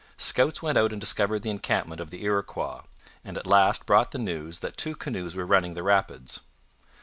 Scouts went out and discovered the encampment of the Iroquois, and at last brought the news that two canoes were running the rapids.